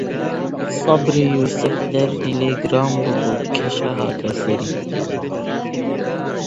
سەبری یووسف دەردی لێ گران ببوو، کەشە هاتە سەری